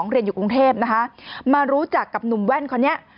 เรียนอยู่กรุงเทพนะคะมารู้จักกับหนุ่มแว่นคนนี้